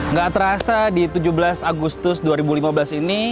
nggak terasa di tujuh belas agustus dua ribu lima belas ini